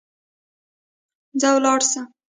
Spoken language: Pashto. ځه ولاړ سه.